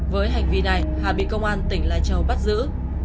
với hành vi này hà bị công an tỉnh lai châu bắt giữ